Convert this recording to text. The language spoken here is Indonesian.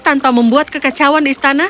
tanpa membuat kekecauan di istana